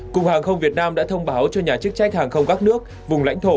cục hàng không việt nam đã thông báo cho nhà chức trách hàng không các nước vùng lãnh thổ